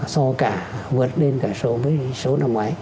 so cả vượt lên cả so với số năm ngoái